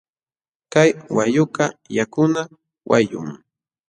Kay wayqukaq yakuna wayqum.